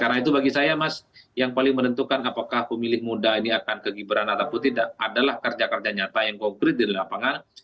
karena itu bagi saya mas yang paling menentukan apakah pemilih muda ini akan ke gibran ataupun tidak adalah kerja kerja nyata yang konkret di lapangan